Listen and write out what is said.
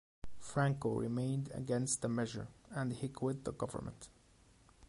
Franco remained against the measure and he quit the Government.